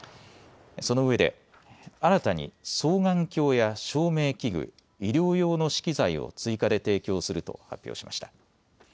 そのうえで、新たに双眼鏡や照明器具、医療用の資器材を追加で提供すると発表しました。